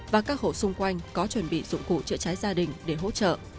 và các hộ xung quanh có chuẩn bị dụng cụ chữa cháy gia đình để hỗ trợ